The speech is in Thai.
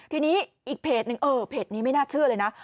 ทีนี้อีกเพจหนึ่งเออเพจนี้ไม่น่าเชื่อเลยนะ